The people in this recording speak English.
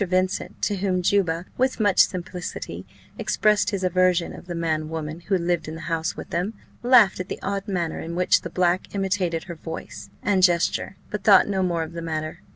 Vincent, to whom Juba, with much simplicity, expressed his aversion of the man woman who lived in the house with them, laughed at the odd manner in which the black imitated her voice and gesture, but thought no more of the matter.